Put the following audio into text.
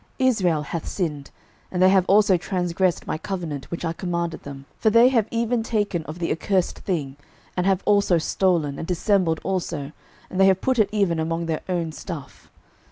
06:007:011 Israel hath sinned, and they have also transgressed my covenant which I commanded them: for they have even taken of the accursed thing, and have also stolen, and dissembled also, and they have put it even among their own stuff.